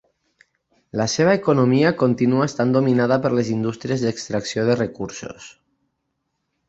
La seva economia continua estant dominada per les indústries d'extracció de recursos.